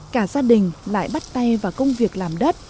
cả gia đình lại bắt tay vào công việc làm đất